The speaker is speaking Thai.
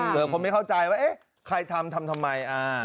คนไม่เข้าใจว่าเอ๊ะใครทำทำทำไม